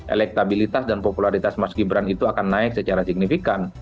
elektabilitas dan popularitas mas gibran itu akan naik secara signifikan